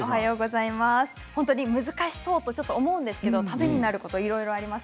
難しそうと思うんですけれど、ためになることがいろいろあります。